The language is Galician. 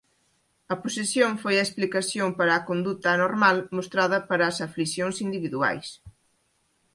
A posesión foi a explicación para a conduta anormal mostrada para as aflicións individuais.